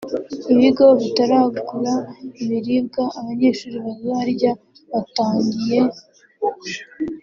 ibigo bitaragura ibiribwa abanyeshuri bazarya batangiye